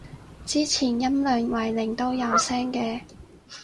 之前音量為零都有聲嘅